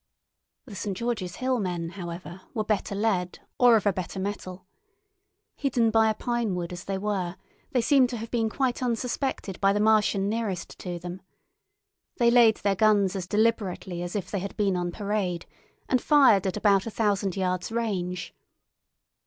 The St. George's Hill men, however, were better led or of a better mettle. Hidden by a pine wood as they were, they seem to have been quite unsuspected by the Martian nearest to them. They laid their guns as deliberately as if they had been on parade, and fired at about a thousand yards' range.